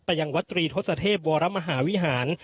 ยังวัดตรีทศเทพวรมหาวิหาร